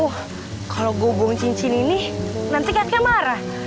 wuhh kalo gue buang cincin ini nanti kakek marah